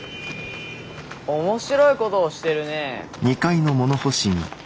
面白いことをしてるね。